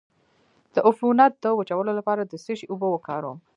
د عفونت د وچولو لپاره د څه شي اوبه وکاروم؟